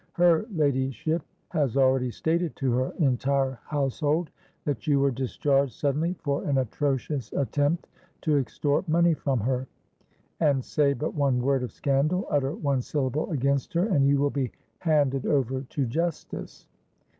Her ladyship has already stated to her entire household that you were discharged suddenly for an atrocious attempt to extort money from her: and say but one word of scandal, utter one syllable against her, and you will be handed over to justice.